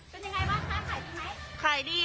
เป็นยังไงบ้างคะขายดีไหมขายดี